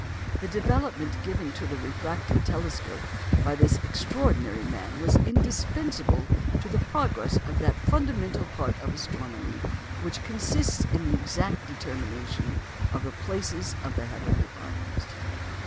The development given to the refracting telescope by this extraordinary man was indispensable to the progress of that fundamental part of astronomy which consists in the exact determination of the places of the heavenly bodies.